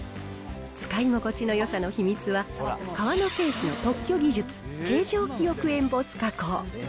使い心地のよさの秘密は、河野製紙の特許技術、形状記憶エンボス加工。